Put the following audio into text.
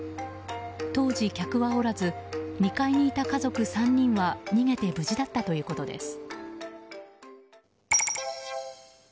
当時、客はおらず２階にいた家族３人は逃げて無事だったということです。